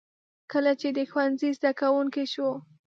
کله چې د ښوونځي زده کوونکی شو.